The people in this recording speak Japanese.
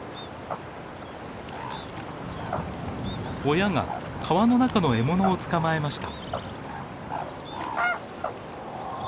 親が川の中の獲物を捕まえました。